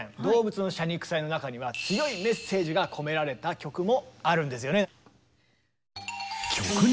「動物の謝肉祭」の中には強いメッセージが込められた曲もあるんですよね。